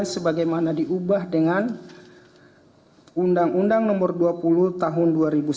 sebagaimana diubah dengan undang undang nomor dua puluh tahun dua ribu sembilan